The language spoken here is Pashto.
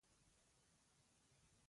خلک به یې له بوی او اواز نه پېژندل.